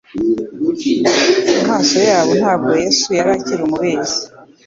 Mu maso yabo ntabwo Yesu yari akiri umubeshyi;